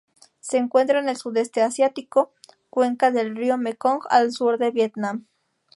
Se encuentra en el Sudeste asiático: cuenca del río Mekong al sur del Vietnam.